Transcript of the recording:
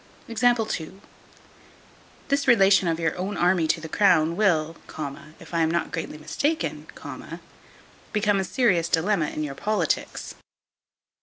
This relation of your army to the crown will, if I am not greatly mistaken, become a serious dilemma in your politics.